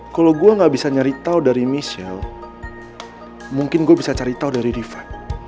kalau gue gak bisa nyari tau dari misal mungkin gue bisa cari tau dari rifqi